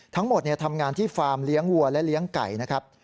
ทำงานที่ฟาร์มเลี้ยงวัวและเลี้ยงไก่นะครับ